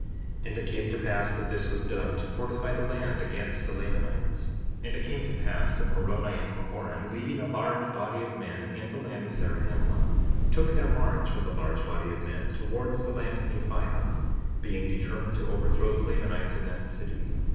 And it came to pass that this was done to fortify the land against the Lamanites. 62:14 And it came to pass that Moroni and Pahoran, leaving a large body of men in the land of Zarahemla, took their march with a large body of men towards the land of Nephihah, being determined to overthrow the Lamanites in that city.